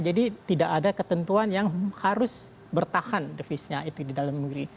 jadi tidak ada ketentuan yang harus bertahan devisnya itu di dalam negeri